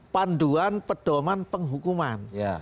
panduan pedoman penghukuman